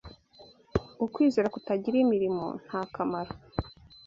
Ukwizera kutagira imirimo nta kamaro